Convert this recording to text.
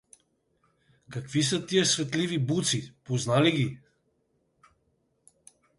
— Какви са тия светливи буци, позна ли ги?